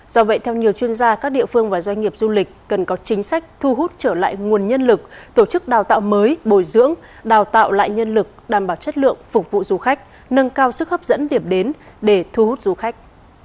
do vậy theo nhiều chuyên gia các địa phương và doanh nghiệp du lịch cần có chính sách thu hút trở lại nguồn nhân lực tổ chức đào tạo mới bồi dưỡng đào tạo lại nhân lực đảm bảo chất lượng phục vụ du khách nâng cao sức hấp dẫn điểm đến để thu hút du khách